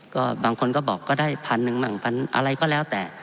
ก็บางคนก็บอกก็ได้พันหนึ่งบ้างพันอะไรก็แล้วแต่